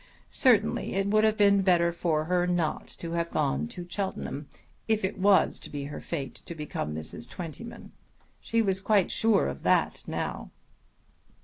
Certainly it would have been better for her not to have gone to Cheltenham if it was to be her fate to become Mrs. Twentyman. She was quite sure of that now.